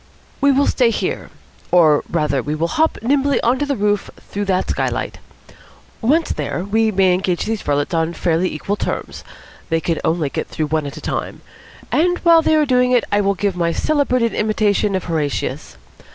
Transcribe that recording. "We will stay here. Or rather we will hop nimbly up on to the roof through that skylight. Once there, we may engage these varlets on fairly equal terms. They can only get through one at a time. And while they are doing it I will give my celebrated imitation of Horatius.